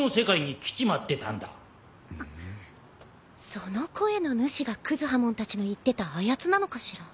その声の主がクズハモンたちの言ってた「あやつ」なのかしら。